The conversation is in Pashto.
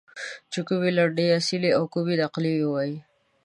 چې کومې لنډۍ اصلي او کومې نقلي ووایي.